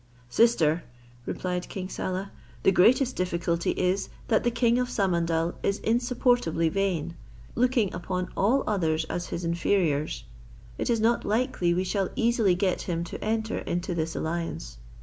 "Sister," replied King Saleh, "the greatest difficulty is, that the king of Samandal is insupportably vain, looking upon all others as his inferiors: it is not likely we shall easily get him to enter into this alliance.